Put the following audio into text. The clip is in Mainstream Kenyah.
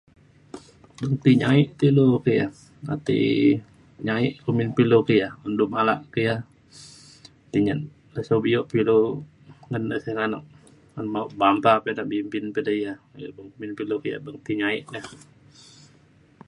beng ti nyaek te ilu ke ya ti nyaek pe ilu ki ya un du malak ke ya tai nyat lesau bio' pe ilu ngan da senganak un mauk bampa peda bimpin pe eda ya beley kumin pe ilu ke iya beng ti nyaek ne